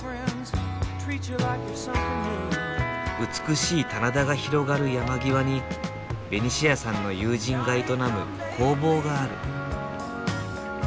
美しい棚田が広がる山際にベニシアさんの友人が営む工房がある。